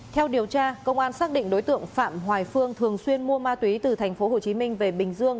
theo điều tra công an xác định đối tượng phạm hoài phương thường xuyên mua ma túy từ tp hcm về bình dương